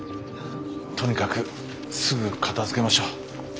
とにかくすぐ片づけましょう。